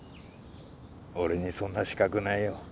俺にそんな資格ないよ。